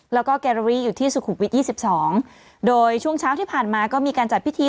แล้วก็แกรร์รีอยู่ที่สุขุปีท๒๒โดยช่วงเช้าที่ผ่านมาก็มีการจัดพิธี